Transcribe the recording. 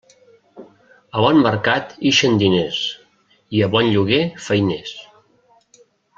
A bon mercat ixen diners i a bon lloguer, feiners.